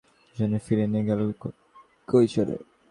টিনের চালে ঝুম বৃষ্টির সেই গান যেন ফিরিয়ে নিয়ে গেল গ্রামের কৈশোরে।